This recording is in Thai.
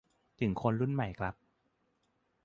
ถึงคนรุ่นใหม่ครับ